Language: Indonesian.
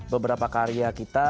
beberapa karya kita